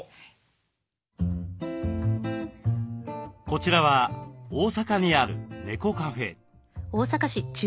こちらは大阪にある猫カフェ。